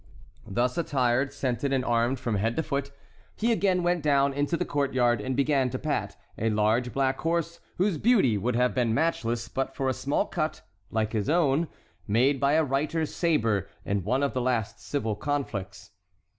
Thus attired, scented, and armed from head to foot, he again went down into the court yard and began to pat a large black horse whose beauty would have been matchless but for a small cut, like his own, made by a reiter's sabre in one of the last civil conflicts.